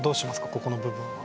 ここの部分は。